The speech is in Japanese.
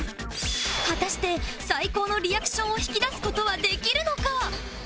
果たして最高のリアクションを引き出す事はできるのか？